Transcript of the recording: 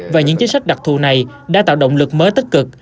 và những chính sách đặc thù này đã tạo động lực mới tích cực